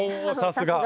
さすが。